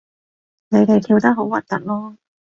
你哋跳得好核突囉